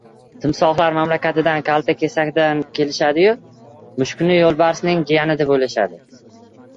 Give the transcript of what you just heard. • Timsohlar mamlakatida kaltakesakdan kulishadi-yu, mushukni yo‘lbarsning jiyani deb o‘ylashadi.